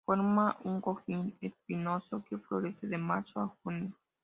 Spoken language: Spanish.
Forma un cojín espinoso que florece de marzo a junio.